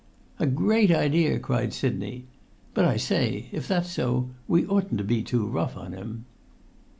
"A great idea!" cried Sidney. "But, I say, if that's so we oughtn't to be too rough on him!"